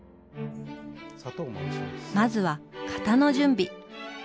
まずは型の準備。